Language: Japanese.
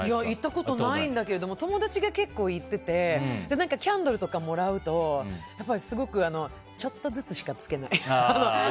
行ったことないんだけど友達が結構行っててキャンドルとかもらうとすごくちょっとずつしかつけない。